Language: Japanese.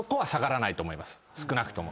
少なくとも。